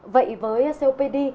vậy với copd